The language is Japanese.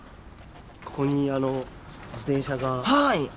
ここに自転車があって。